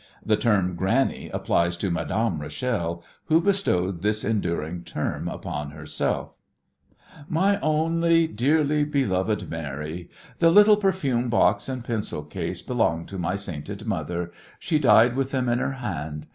The term "granny" applies to Madame Rachel, who bestowed this endearing term upon herself: "My only dearly beloved Mary, "The little perfume box and the pencil case belonged to my sainted mother. She died with them in her hand.